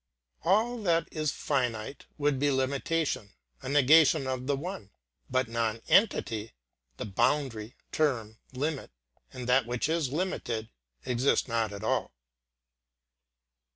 All that is finite would be limitation, a negation of the One, but non entity, the boundary, term, limit, and that which is limited, exist not at all.